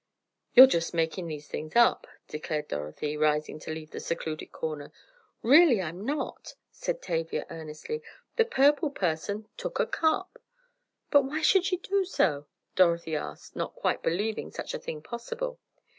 "You're just making these things up!" declared Dorothy, rising to leave the secluded corner. "Really I'm not," said Tavia earnestly, "the purple person took a cup!" "But why should she do so?" Dorothy asked, not quite believing such a thing possible.